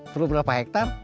perlu berapa hektar